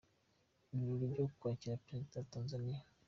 Ibirori byo kwakira Perezida wa Tanzania